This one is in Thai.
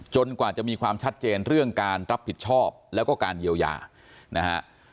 กว่าจะมีความชัดเจนเรื่องการรับผิดชอบแล้วก็การเยียวยานะฮะ